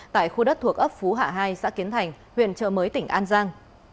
tại khu đất thuộc ấp phú hạ hai xã kiến thành huyện trợ mới tỉnh an giang